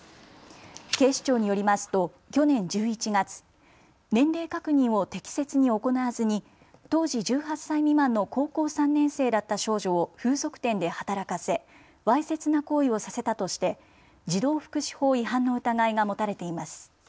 警視庁によりますと去年１１月、年齢確認を適切に行わずに当時１８歳未満の高校３年生だった少女を風俗店で働かせわいせつな行為をさせたとして児童福祉法違反の疑いが持たれています。